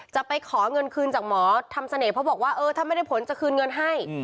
จะไปขอเงินคืนจากหมอทำเสน่ห์เพราะบอกว่าเออถ้าไม่ได้ผลจะคืนเงินให้